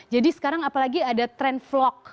jadi sekarang apalagi ada tren vlog